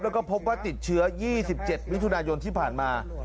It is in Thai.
แล้วก็พบว่าติดเชื้อ๒๗มิถุนายนที่ผ่านมา